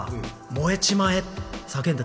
燃えちまえ？